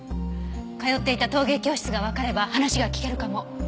通っていた陶芸教室がわかれば話が聞けるかも。